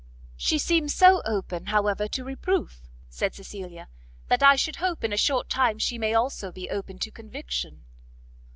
"She seems so open, however, to reproof," said Cecilia, "that I should hope in a short time she may also be open to conviction."